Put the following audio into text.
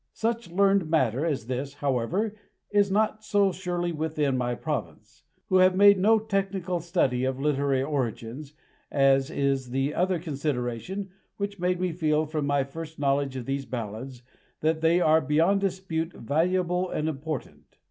Such learned matter as this, however, is not so surely within my province, who have made no technical study of literary origins, as is the other consideration which made me feel, from my first knowledge of these ballads, that they are beyond dispute valuable and important.